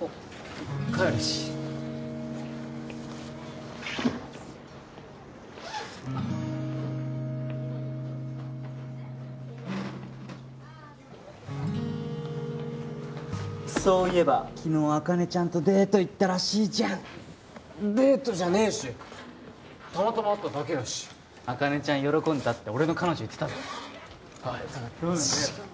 お帰るしそういえば昨日茜ちゃんとデート行ったらしいじゃんデートじゃねえしたまたま会っただけだし茜ちゃん喜んでたって俺の彼女言ってたぞおいどうなんだよどうなんだよ